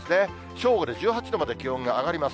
正午で１８度まで気温が上がります。